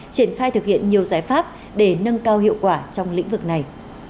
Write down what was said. triển khai thực hiện nhiều giải pháp để nâng cao hiệu quả trong lĩnh vực này